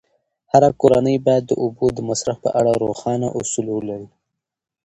هره کورنۍ باید د اوبو د مصرف په اړه روښانه اصول ولري.